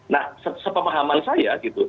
nah sepemahaman saya gitu